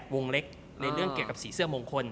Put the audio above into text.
วงเล็กในเรื่องเกี่ยวกับสีเสื้อมงคล